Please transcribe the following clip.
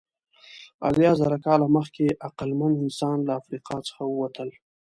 اویازره کاله مخکې عقلمن انسانان له افریقا څخه ووتل.